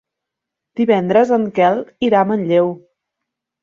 Divendres en Quel irà a Manlleu.